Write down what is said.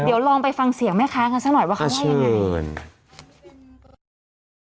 เดี๋ยวลองไปฟังเสียงแม่ค้ากันซะหน่อยว่าเขาว่ายังไง